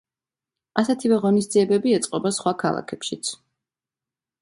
ასეთივე ღონისძიებები ეწყობა სხვა ქალაქებშიც.